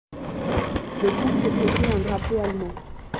Le groupe fait flotter un drapeau allemand.